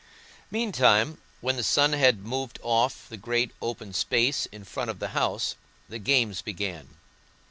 Meantime, when the sun had moved off the great open space in front of the house, the games began.